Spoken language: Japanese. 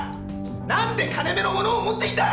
何で金目の物を持っていた！